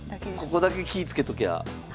ここだけ気いつけときゃあ。